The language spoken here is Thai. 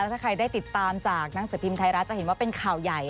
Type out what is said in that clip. ถ้าใครได้ติดตามจากหนังสือพิมพ์ไทยรัฐจะเห็นว่าเป็นข่าวใหญ่